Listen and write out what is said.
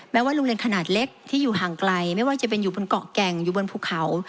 ว่าโรงเรียนขนาดเล็กที่อยู่ห่างไกลไม่ว่าจะเป็นอยู่บนเกาะแก่งอยู่บนภูเขา